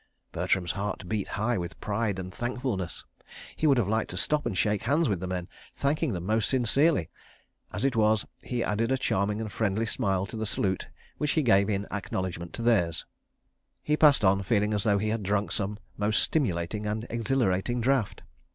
Bertram's heart beat high with pride and thankfulness. He would have liked to stop and shake hands with the men, thanking them most sincerely. As it was, he added a charming and friendly smile to the salute which he gave in acknowledgment of theirs. He passed on, feeling as though he had drunk some most stimulating and exhilarating draught.